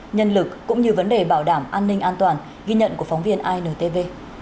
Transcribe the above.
nhân lực cũng như vấn đề bảo đảm an ninh an toàn ghi nhận của phóng viên intv